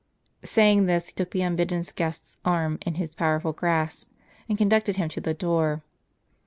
Saying this, he took the unbidden guest's arm in his powerful grasp, and conducted him to the door.